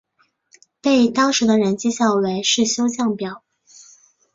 被当时的人讥笑为世修降表。